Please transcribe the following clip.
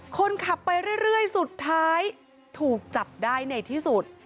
คนขับไปเรื่อยสุดท้ายถูกจับได้ในที่สุด